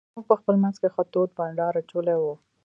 موږ په خپل منځ کې ښه تود بانډار اچولی وو.